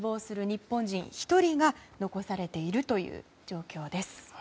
日本人１人が残されているという状況です。